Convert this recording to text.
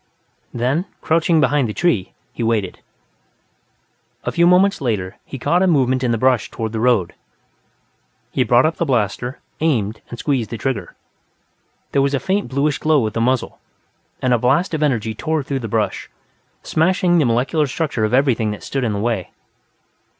Then, crouching behind the tree, he waited. A few moments later, he caught a movement in the brush toward the road. He brought up the blaster, aimed and squeezed the trigger. There was a faint bluish glow at the muzzle, and a blast of energy tore through the brush, smashing the molecular structure of everything that stood in the way.